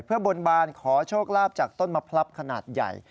เพื่อบนบานขอโชคลาภจากต้นมะพลับขนาดใหญ่